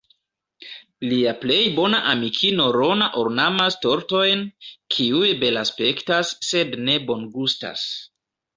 Lia plej bona amikino Rona ornamas tortojn, kiuj belaspektas sed ne bongustas.